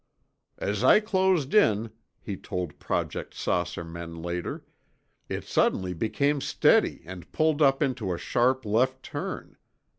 "As I closed in," he told Project "Saucer" men later, "it suddenly became steady and pulled up into a sharp left turn.